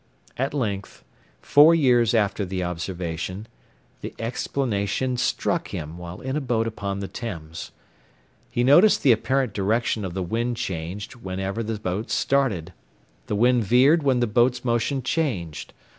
At length, four years after the observation, the explanation struck him, while in a boat upon the Thames. He noticed the apparent direction of the wind changed whenever the boat started. The wind veered when the boat's motion changed.